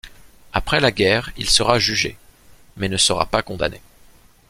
Après la guerre, il sera jugé, mais ne sera pas condamné.